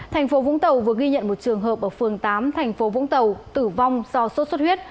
thành phố vũng tàu vừa ghi nhận một trường hợp ở phường tám thành phố vũng tàu tử vong do sốt xuất huyết